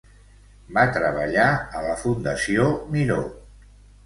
Va treballar a la Fundació Miró.